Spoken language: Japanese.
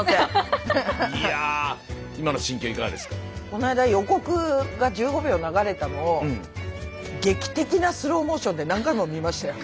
この間予告が１５秒流れたのを劇的なスローモーションで何回も見ましたよ。